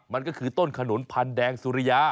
มันก็คือต้นขนุนพันแดงสุริยา